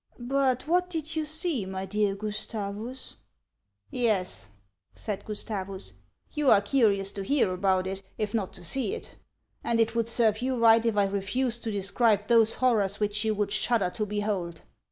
But what did you see, my dear Gustavus '*"" Yes," said Gustavus, " you are curious to hear about it, if not to see it ; and it would serve you right if I refused to describe those horrors which you would shudder to behold."